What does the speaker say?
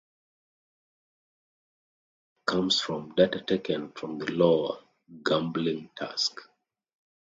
Much of its supporting data comes from data taken from the Iowa gambling task.